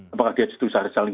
apakah dia sudah saling